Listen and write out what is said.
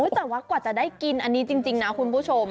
แต่ว่ากว่าจะได้กินอันนี้จริงนะคุณผู้ชม